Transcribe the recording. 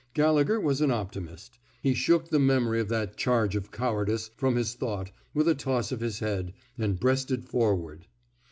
Gallegher was an optimist; he shook the memory of that charge of cowardice from his thought with a toss of his head, and breasted forward.